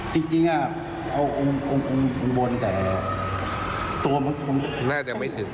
จริงอ่ะเอาองค์บนแต่ตัวมันคงแอ้มไม่ถึง